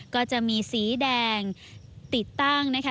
ก็จะมีสีแดงติดตั้งนะคะ